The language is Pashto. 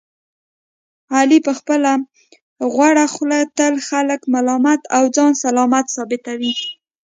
علي په خپله غوړه خوله تل خلک ملامت او ځان سلامت ثابتوي.